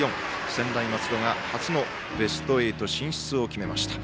専大松戸が初のベスト８進出を決めました。